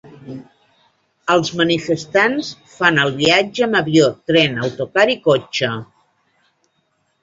Els manifestants fan el viatge amb avió, tren, autocar i cotxe.